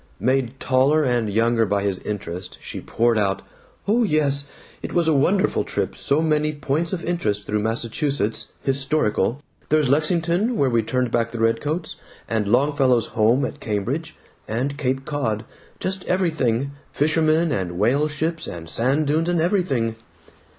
Made taller and younger by his interest she poured out, "Oh my yes. It was a wonderful trip. So many points of interest through Massachusetts historical. There's Lexington where we turned back the redcoats, and Longfellow's home at Cambridge, and Cape Cod just everything fishermen and whale ships and sand dunes and everything."